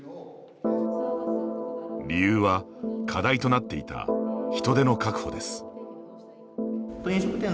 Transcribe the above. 理由は課題となっていた人手の確保です。